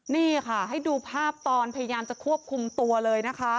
นี่ค่ะให้ดูภาพตอนพยายามจะควบคุมตัวเลยนะคะ